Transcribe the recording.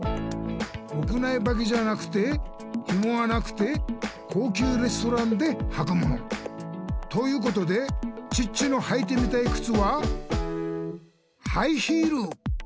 屋内ばきじゃなくてひもがなくて高級レストランではくもの！ということでチッチのはいてみたいくつはハイヒール！